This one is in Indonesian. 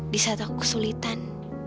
di saat aku kesulitan